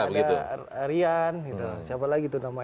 suni ada rian siapa lagi itu nama